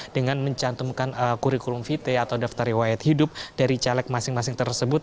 dengan mencantumkan kurikulum vt atau daftar riwayat hidup dari caleg masing masing tersebut